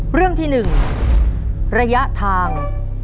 เรื่องที่๑ระยะทาง